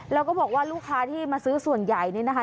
แล้วก็บอกว่าลูกค้าที่มาซื้อส่วนใหญ่นี่นะคะ